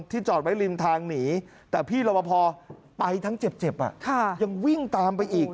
จอดไว้ริมทางหนีแต่พี่รบพอไปทั้งเจ็บยังวิ่งตามไปอีก